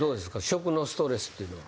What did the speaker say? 食のストレスっていうのは。